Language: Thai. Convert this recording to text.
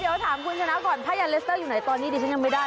เดี๋ยวถามคุณชนะก่อนผ้ายาเลสเตอร์อยู่ไหนตอนนี้ดิฉันยังไม่ได้